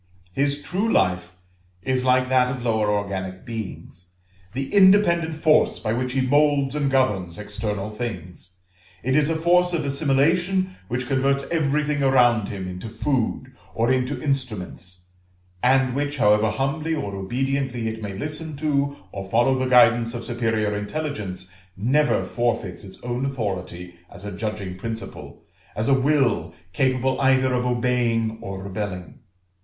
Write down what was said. His true life is like that of lower organic beings, the independent force by which he moulds and governs external things; it is a force of assimilation which converts everything around him into food, or into instruments; and which, however humbly or obediently it may listen to or follow the guidance of superior intelligence, never forfeits its own authority as a judging principle, as a will capable either of obeying or rebelling.